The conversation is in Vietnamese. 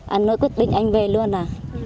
anh nói quyết định anh về luôn à